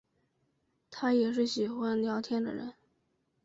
她也是喜欢聊天的人